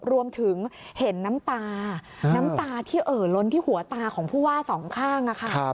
รวมถึงเห็นน้ำตาน้ำตาที่เอ่อล้นที่หัวตาของผู้ว่าสองข้างค่ะ